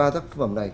ba tác phẩm này